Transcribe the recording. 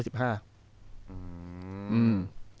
อืม